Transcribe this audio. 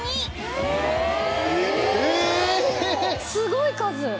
すごい数！